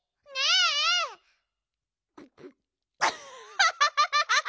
アハハハハ！